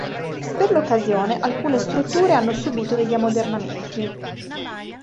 Per l'occasione alcune strutture hanno subito degli ammodernamenti.